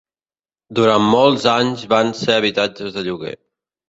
Durant molts anys van ser habitatges de lloguer.